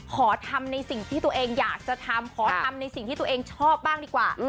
ขอทำในสิ่งที่ตัวเองอยากจะทำขอทำในสิ่งที่ตัวเองชอบบ้างดีกว่า